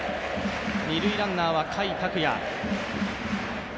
二塁ランナーは甲斐拓也。